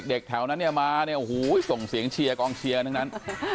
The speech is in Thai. เด็กแถวนั้นมาส่งเสียงเชียร์กรองเชียร์นั้น